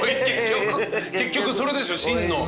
結局それでしょ。